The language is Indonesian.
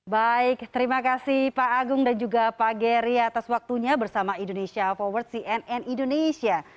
baik terima kasih pak agung dan juga pak geri atas waktunya bersama indonesia forward cnn indonesia